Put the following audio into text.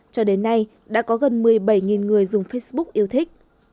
cho đến nay đã có gần một mươi bảy người dùng facebook yêu thích